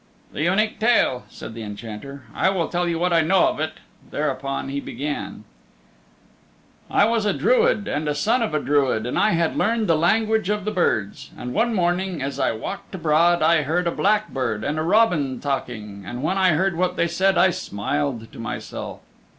"The Unique Tale," said the Enchanter. "I will tell you what I know of it." Thereupon he began I was a Druid and the Son of a Druid, and I had learned the language of the birds. And one morning, as I walked abroad, I heard a blackbird and a robin talking, and when I heard what they said I smiled to myself.